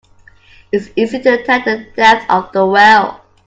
It's easy to tell the depth of a well.